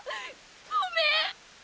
ごめん！